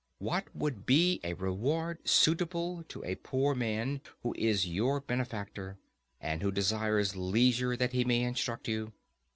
What would be a reward suitable to a poor man who is your benefactor, and who desires leisure that he may instruct you?